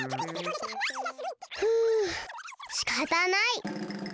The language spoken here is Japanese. ふうしかたない。